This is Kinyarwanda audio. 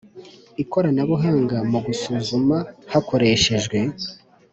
ikoranabuhanga mu gusuzuma hakoreshejwe